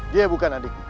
dia bukan adikku